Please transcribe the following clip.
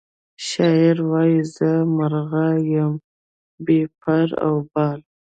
شاعر وایی زه مرغه یم بې پر او باله